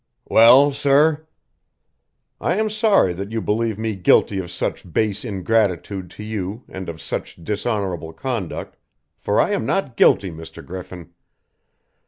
"Well, sir?" "I am sorry that you believe me guilty of such base ingratitude to you and of such dishonorable conduct, for I am not guilty, Mr. Griffin!